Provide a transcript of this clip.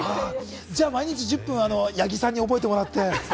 じゃあ、毎日１０分、八木さんに覚えてもらって。